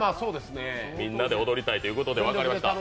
みんなで踊りたいということで、分かりました。